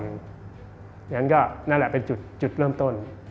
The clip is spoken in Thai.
อย่างนั้นก็นั่นแหละเป็นจุดเริ่มต้น